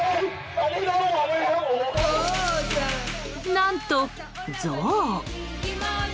何と、ゾウ！